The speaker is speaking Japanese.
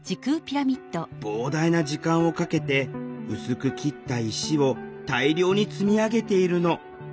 膨大な時間をかけて薄く切った石を大量に積み上げているの。